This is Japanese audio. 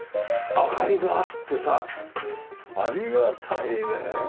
明かりがあってさありがたいね。